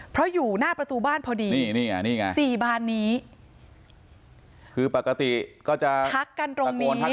เพราะอยู่หน้าประตูบ้านพอดีนี่นี่อ่ะนี่ไงสี่บานนี้คือปกติก็จะทักกันตรงนี้